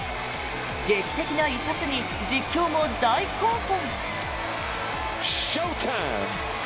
劇的な一発に実況も大興奮。